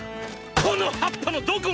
この葉っぱのどこが壁だ